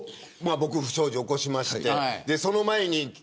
僕が不祥事を起こしてその前に。